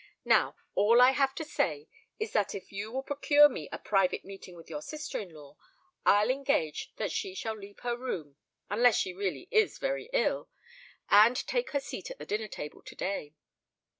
Now, all I have to say is that if you will procure me a private meeting with your sister in law, I'll engage that she shall leave her room—unless she really is very ill—and take her seat at the dinner table to day."